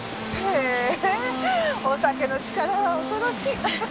へぇお酒の力は恐ろしい。